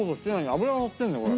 脂がのってるんだよこれ。